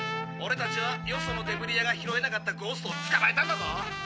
オレたちはよそのデブリ屋が拾えなかったゴーストをつかまえたんだぞ！